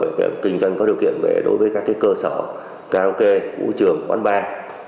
các kinh doanh có điều kiện về đối với các cơ sở karaoke vũ trường quán bar